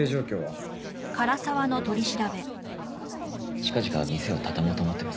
近々店を畳もうと思ってます。